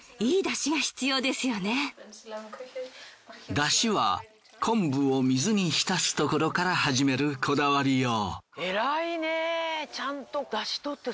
出汁は昆布を水に浸すところから始めるこだわりよう。